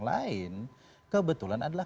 lain kebetulan adalah